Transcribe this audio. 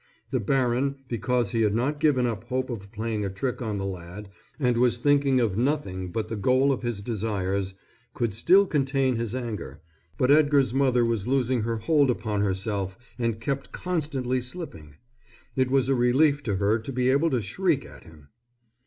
The baron, because he had not given up hope of playing a trick on the lad and was thinking of nothing but the goal of his desires, could still contain his anger, but Edgar's mother was losing her hold upon herself and kept constantly slipping. It was a relief to her to be able to shriek at him.